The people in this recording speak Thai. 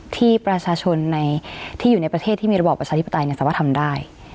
ที่ประชาชนที่อยู่ในประเทศที่มีระบอบประชาธิปไตยสามารถทำได้